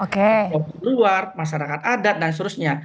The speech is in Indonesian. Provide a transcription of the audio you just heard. kelompok luar masyarakat adat dan seterusnya